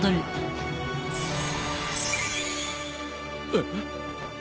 えっ。